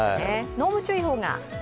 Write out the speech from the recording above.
濃霧注意報が？